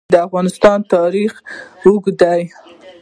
د افغانستان ټول تاریخ ښودلې ده.